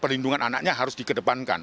pelindungan anaknya harus dikedepankan